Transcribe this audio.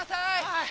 はい！